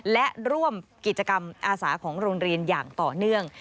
และร่วมกิจกรรมอาสาของโรงเรียนอย่างต่อเนื่อง